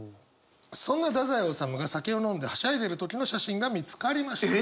そんな太宰治が酒を飲んではしゃいでる時の写真が見つかりました。